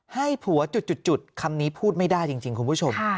ให้ผัวจุดคำนี้พูดไม่ได้จริงคุณผู้ชม